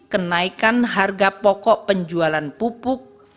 kenaikan harga pokok penjualan pupuk